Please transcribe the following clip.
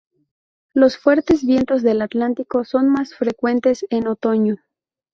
Los fuertes vientos del Atlántico son más frecuentes en otoño.